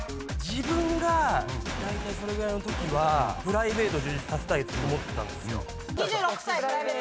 自分がだいたいそれぐらいのときはプライベート充実させたいと思ってたんですよ。